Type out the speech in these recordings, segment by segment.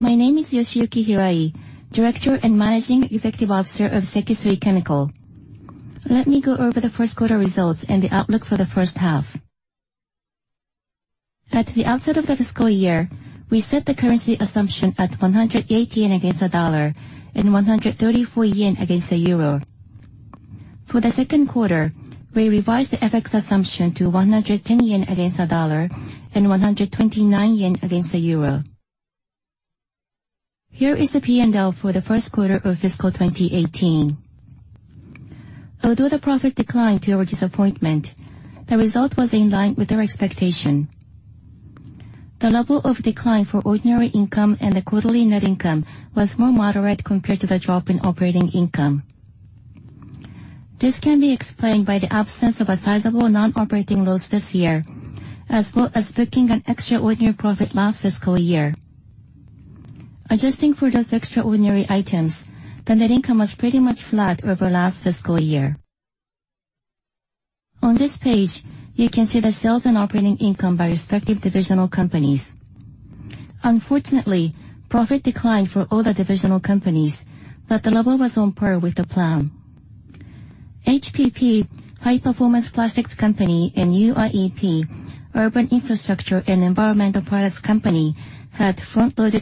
My name is Yoshiyuki Hirai, Director and Managing Executive Officer of Sekisui Chemical. Let me go over the first quarter results and the outlook for the first half. At the outset of the fiscal year, we set the currency assumption at 180 yen against the dollar and 134 yen against the euro. For the second quarter, we revised the FX assumption to 110 yen against the dollar and 129 yen against the euro. Here is the P&L for the first quarter of fiscal 2018. Although the profit declined to our disappointment, the result was in line with our expectation. The level of decline for ordinary income and the quarterly net income was more moderate compared to the drop in operating income. This can be explained by the absence of a sizable non-operating loss this year, as well as booking an extraordinary profit last fiscal year. Adjusting for those extraordinary items, the net income was pretty much flat over last fiscal year. On this page, you can see the sales and operating income by respective divisional companies. Unfortunately, profit declined for all the divisional companies, We believe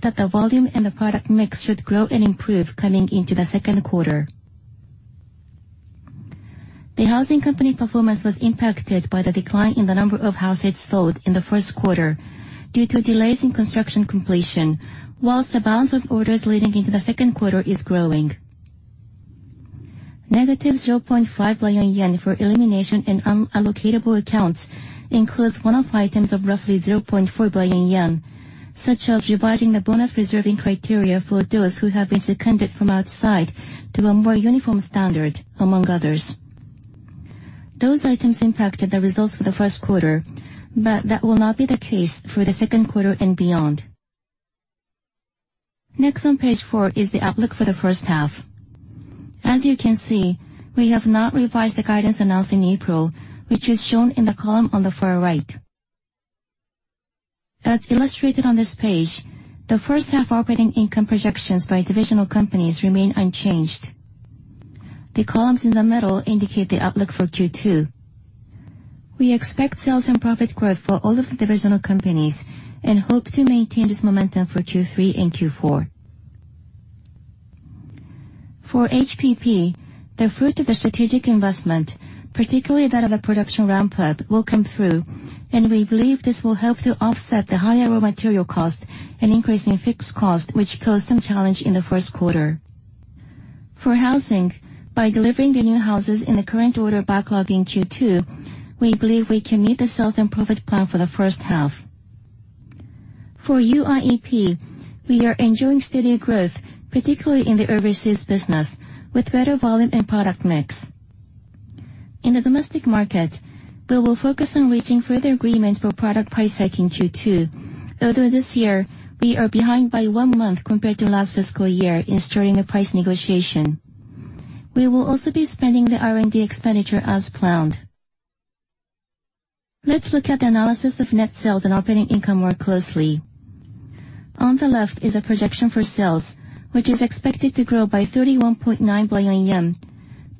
that the volume and the product mix should grow and improve coming into the second quarter. The housing company performance was impacted by the decline in the number of houses sold in the first quarter due to delays in construction completion, whilst the balance of orders leading into the second quarter is growing. Negative 0.5 billion yen for elimination in unallocable accounts includes one-off items of roughly 0.4 billion yen, such as revising the bonus reserving criteria for those who have been seconded from outside to a more uniform standard, among others. Those items impacted the results for the first quarter, That will not be the case for the second quarter and beyond. Next on page 4 is the outlook for the first half. As you can see, we have not revised the guidance announced in April, which is shown in the column on the far right. As illustrated on this page, the first half operating income projections by divisional companies remain unchanged. The columns in the middle indicate the outlook for Q2. We expect sales and profit growth for all of the divisional companies and hope to maintain this momentum for Q3 and Q4. For HPP, the fruit of the strategic investment, particularly that of the production ramp-up, will come through, We believe this will help to offset the higher raw material cost and increase in fixed cost, which caused some challenge in the first quarter. For housing, by delivering the new houses in the current order backlog in Q2, we believe we can meet the sales and profit plan for the first half. For UIEP, we are enjoying steady growth, particularly in the overseas business, with better volume and product mix. In the domestic market, we will focus on reaching further agreement for product price hike in Q2. Although this year, we are behind by one month compared to last fiscal year in starting the price negotiation. We will also be spending the R&D expenditure as planned. Let's look at the analysis of net sales and operating income more closely. On the left is a projection for sales, which is expected to grow by 31.9 billion yen,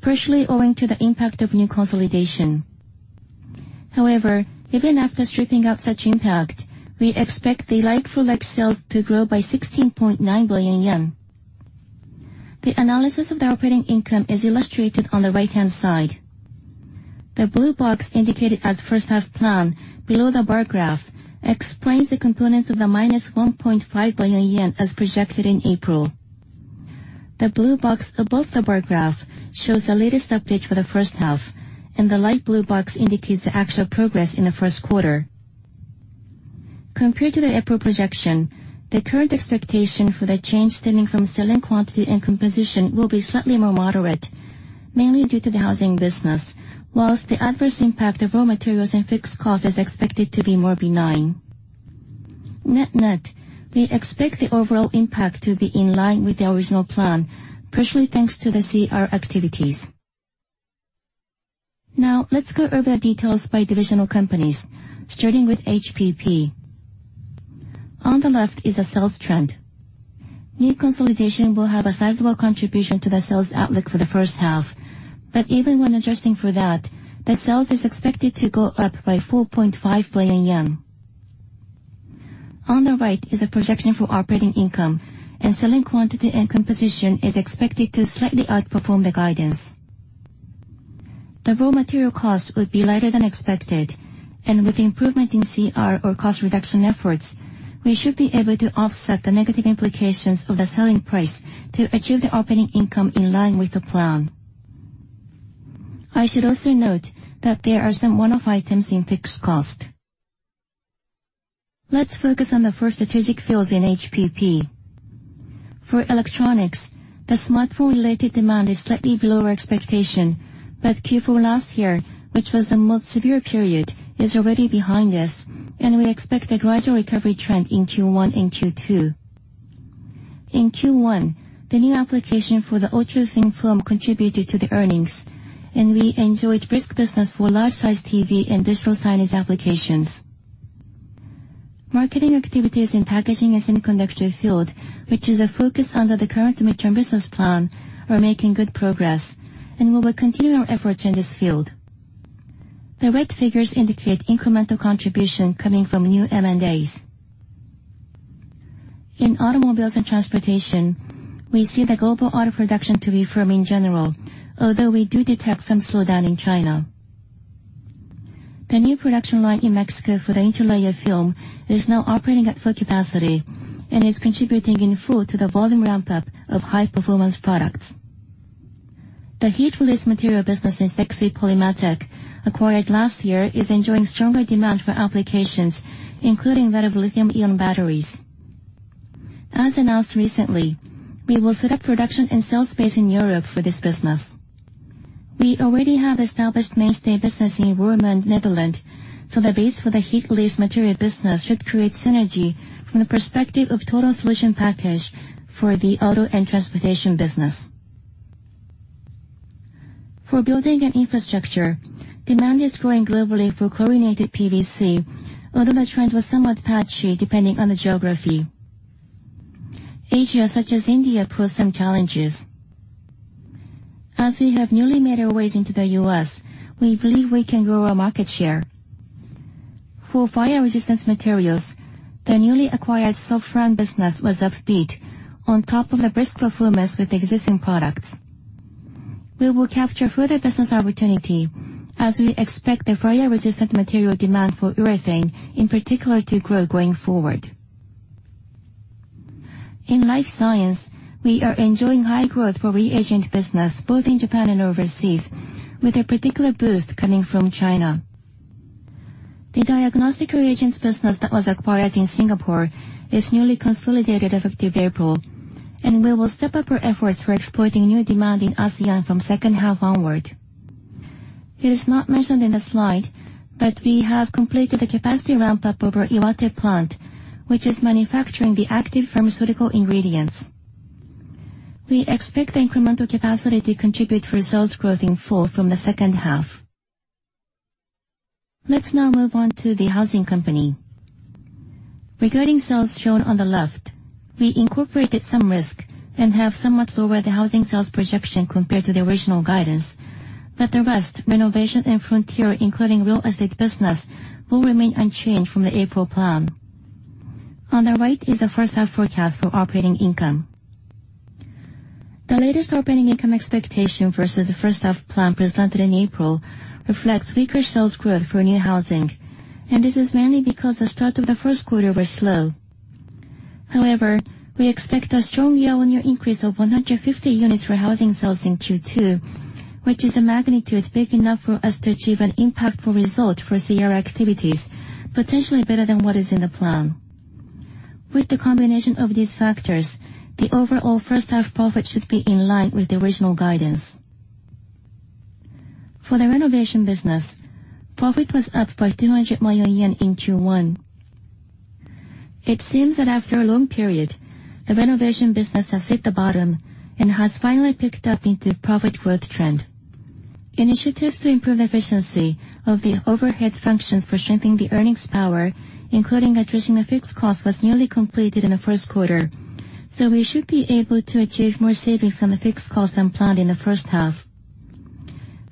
partially owing to the impact of new consolidation. However, even after stripping out such impact, we expect the like-for-like sales to grow by 16.9 billion yen. The analysis of the operating income is illustrated on the right-hand side. The blue box indicated as first half plan below the bar graph explains the components of the -1.5 billion yen as projected in April. The blue box above the bar graph shows the latest update for the first half, and the light blue box indicates the actual progress in the first quarter. Compared to the April projection, the current expectation for the change stemming from selling quantity and composition will be slightly more moderate, mainly due to the housing business. While the adverse impact of raw materials and fixed cost is expected to be more benign. Net-net, we expect the overall impact to be in line with the original plan, partially thanks to the CR activities. Let's go over the details by divisional companies, starting with HPP. On the left is a sales trend. New consolidation will have a sizable contribution to the sales outlook for the first half, but even when adjusting for that, the sales is expected to go up by 4.5 billion yen. On the right is a projection for operating income and selling quantity and composition is expected to slightly outperform the guidance. The raw material cost would be lighter than expected, and with improvement in CR, or cost reduction efforts, we should be able to offset the negative implications of the selling price to achieve the operating income in line with the plan. I should also note that there are some one-off items in fixed cost. Let's focus on the four strategic fields in HPP. For electronics, the smartphone-related demand is slightly below our expectation. Q4 last year, which was the most severe period, is already behind us, and we expect a gradual recovery trend in Q1 and Q2. In Q1, the new application for the ultra-thin film contributed to the earnings, and we enjoyed brisk business for large size TV and digital signage applications. Marketing activities in packaging and semiconductor field, which is a focus under the current midterm business plan, are making good progress, and we will continue our efforts in this field. The red figures indicate incremental contribution coming from new M&As. In automobiles and transportation, we see the global auto production to be firm in general, although we do detect some slowdown in China. The new production line in Mexico for the interlayer film is now operating at full capacity and is contributing in full to the volume ramp-up of high-performance products. The heat release material business in Sekisui Polymatech, acquired last year, is enjoying stronger demand for applications, including that of lithium-ion batteries. As announced recently, we will set up production and sales base in Europe for this business. We already have established mainstay business in Roermond, Netherlands, so the base for the heat release material business should create synergy from the perspective of total solution package for the auto and transportation business. For building and infrastructure, demand is growing globally for chlorinated PVC, although the trend was somewhat patchy depending on the geography. Asia, such as India, poses some challenges. As we have newly made our ways into the U.S., we believe we can grow our market share. For fire-resistant materials, the newly acquired Sulfran business was upbeat on top of the brisk performance with existing products. We will capture further business opportunity as we expect the fire-resistant material demand for urethane, in particular, to grow going forward. In life science, we are enjoying high growth for reagent business both in Japan and overseas, with a particular boost coming from China. The diagnostic reagents business that was acquired in Singapore is newly consolidated effective April, and we will step up our efforts for exploiting new demand in ASEAN from second half onward. It is not mentioned in the slide, but we have completed the capacity ramp-up of our Iwate Plant, which is manufacturing the active pharmaceutical ingredients. We expect incremental capacity to contribute for sales growth in full from the second half. Let's now move on to the Housing Company. Regarding sales shown on the left, we incorporated some risk and have somewhat lower the housing sales projection compared to the original guidance. The rest, renovation and frontier, including real estate business, will remain unchanged from the April plan. On the right is the first half forecast for operating income. The latest operating income expectation versus the first half plan presented in April reflects weaker sales growth for new housing, and this is mainly because the start of the first quarter was slow. However, we expect a strong year-on-year increase of 150 units for housing sales in Q2, which is a magnitude big enough for us to achieve an impactful result for CR activities, potentially better than what is in the plan. With the combination of these factors, the overall first half profit should be in line with the original guidance. For the renovation business, profit was up by 200 million yen in Q1. It seems that after a long period, the renovation business has hit the bottom and has finally picked up into profit growth trend. Initiatives to improve efficiency of the overhead functions for strengthening the earnings power, including addressing the fixed cost, was nearly completed in the first quarter. We should be able to achieve more savings on the fixed cost than planned in the first half.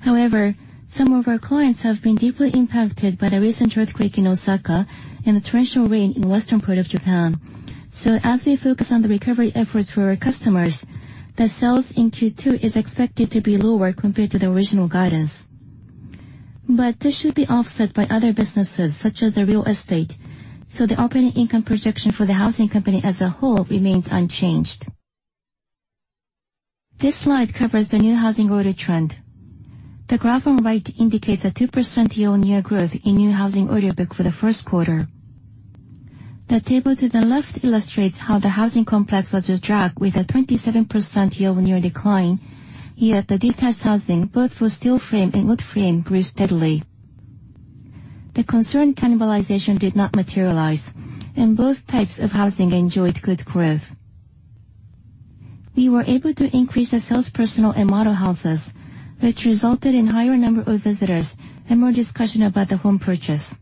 However, some of our clients have been deeply impacted by the recent earthquake in Osaka and the torrential rain in the western part of Japan. As we focus on the recovery efforts for our customers, the sales in Q2 is expected to be lower compared to the original guidance. This should be offset by other businesses such as the real estate, the operating income projection for the Housing Company as a whole remains unchanged. This slide covers the new housing order trend. The graph on the right indicates a 2% year-on-year growth in new housing order book for the first quarter. The table to the left illustrates how the housing complex was a drag with a 27% year-on-year decline, yet the detached housing, both for steel frame and wood frame, grew steadily. The concerned cannibalization did not materialize and both types of housing enjoyed good growth. We were able to increase the sales personnel and model houses, which resulted in higher number of visitors and more discussion about the home purchase.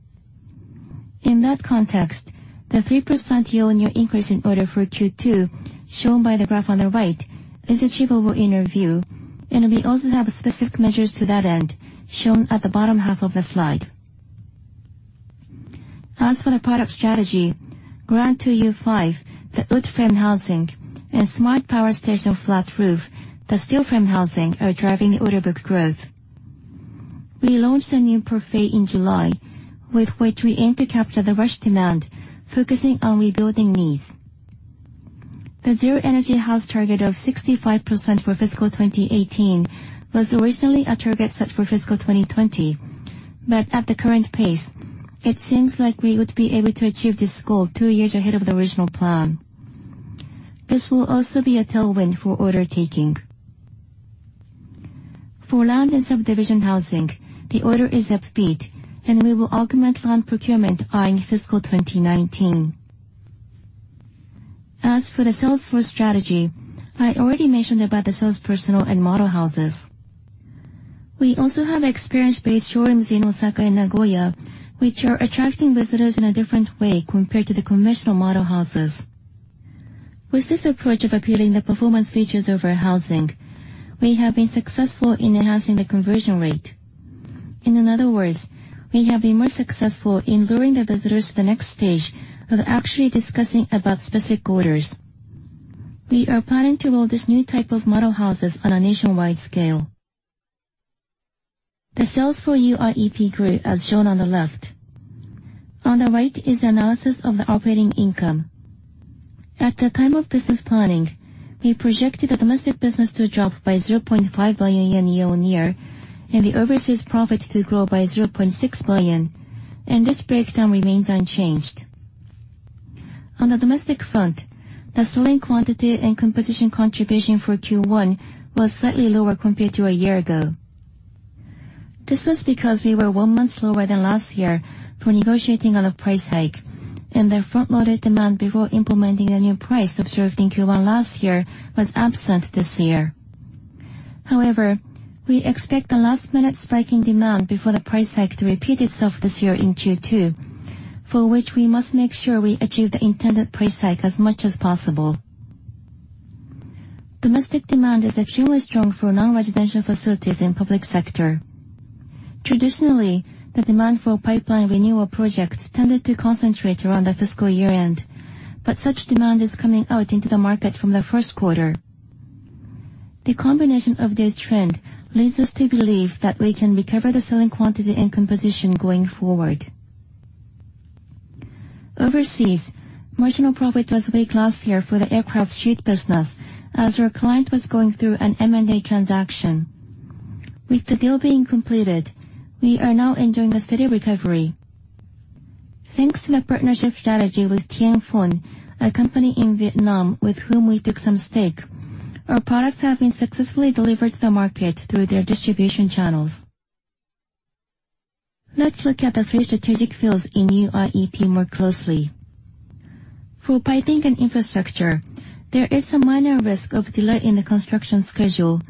In that context, the 3% year-on-year increase in order for Q2, shown by the graph on the right, is achievable in our view, and we also have specific measures to that end, shown at the bottom half of the slide. As for the product strategy, Gran To You, the wood frame housing, and Smart Power Station Flat Roof, the steel frame housing, are driving the order book growth. We launched a new Parfait in July with which we aim to capture the rush demand, focusing on rebuilding needs. The zero-energy house target of 65% for fiscal 2018 was originally a target set for fiscal 2020. At the current pace, it seems like we would be able to achieve this goal two years ahead of the original plan. This will also be a tailwind for order taking. For land and subdivision housing, the order is upbeat, and we will augment land procurement eyeing fiscal 2019. As for the sales force strategy, I already mentioned about the sales personnel and model houses. We also have experience-based showrooms in Osaka and Nagoya, which are attracting visitors in a different way compared to the conventional model houses. With this approach of appealing the performance features of our housing, we have been successful in enhancing the conversion rate. In other words, we have been more successful in luring the visitors to the next stage of actually discussing about specific orders. We are planning to roll this new type of model houses on a nationwide scale. The sales for UIEP grew as shown on the left. On the right is the analysis of the operating income. At the time of business planning, we projected the domestic business to drop by 0.5 billion yen year-on-year, and the overseas profit to grow by 0.6 billion. This breakdown remains unchanged. On the domestic front, the selling quantity and composition contribution for Q1 was slightly lower compared to a year ago. This was because we were one month slower than last year for negotiating on a price hike, and the front-loaded demand before implementing the new price observed in Q1 last year was absent this year. However, we expect the last-minute spike in demand before the price hike to repeat itself this year in Q2, for which we must make sure we achieve the intended price hike as much as possible. Domestic demand is extremely strong for non-residential facilities in public sector. Traditionally, the demand for pipeline renewal projects tended to concentrate around the fiscal year-end. Such demand is coming out into the market from the first quarter. The combination of this trend leads us to believe that we can recover the selling quantity and composition going forward. Overseas, marginal profit was weak last year for the aircraft sheet business as our client was going through an M&A transaction. With the deal being completed, we are now enjoying a steady recovery. Thanks to the partnership strategy with Tien Phong Plastic, a company in Vietnam with whom we took some stake, our products have been successfully delivered to the market through their distribution channels. Let's look at the three strategic fields in UIEP more closely. For piping and infrastructure, there is a minor risk of delay in the construction schedule,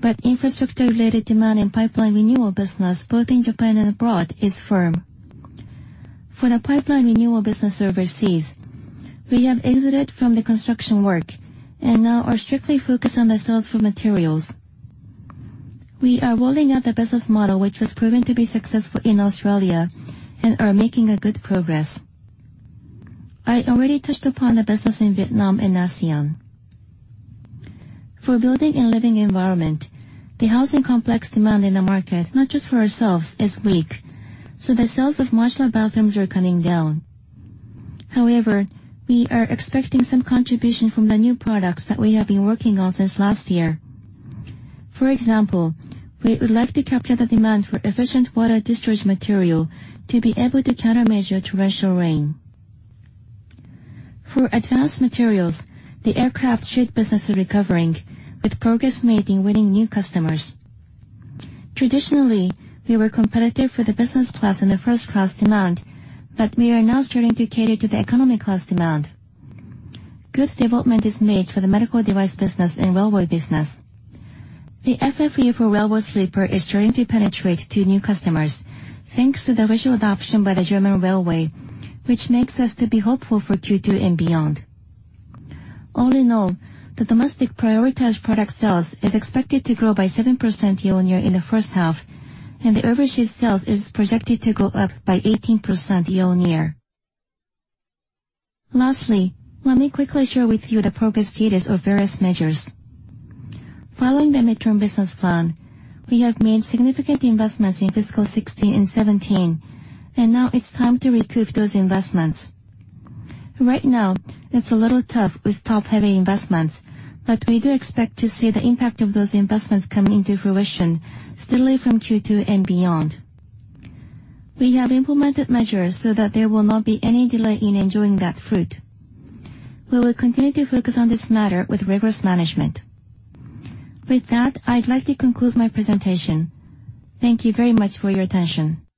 but infrastructure-related demand and pipeline renewal business, both in Japan and abroad, is firm. For the pipeline renewal business overseas, we have exited from the construction work and now are strictly focused on the sales for materials. We are rolling out the business model, which was proven to be successful in Australia and are making a good progress. I already touched upon the business in Vietnam and ASEAN. For building and living environment, the housing complex demand in the market, not just for ourselves, is weak, so the sales of unit bathrooms are coming down. However, we are expecting some contribution from the new products that we have been working on since last year. For example, we would like to capture the demand for efficient water discharge material to be able to countermeasure torrential rain. For advanced materials, the aircraft sheet business is recovering with progress made in winning new customers. Traditionally, we were competitive for the business class and the first class demand, but we are now starting to cater to the economy class demand. Good development is made for the medical device business and railway business. The FFU for railway sleeper is starting to penetrate to new customers, thanks to the initial adoption by the German railway, which makes us to be hopeful for Q2 and beyond. All in all, the domestic prioritized product sales is expected to grow by 7% year-on-year in the first half, and the overseas sales is projected to go up by 18% year-on-year. Lastly, let me quickly share with you the progress status of various measures. Following the midterm business plan, we have made significant investments in fiscal 2016 and 2017, and now it's time to recoup those investments. Right now, it's a little tough with top-heavy investments, but we do expect to see the impact of those investments coming into fruition steadily from Q2 and beyond. We have implemented measures so that there will not be any delay in enjoying that fruit. We will continue to focus on this matter with rigorous management. With that, I'd like to conclude my presentation. Thank you very much for your attention.